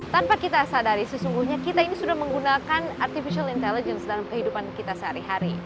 tanpa kita sadari sesungguhnya kita ini sudah menggunakan artificial intelligence dalam kehidupan kita sehari hari